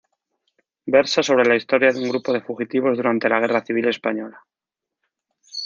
Versa sobre la historia de un grupo de fugitivos durante la Guerra Civil española.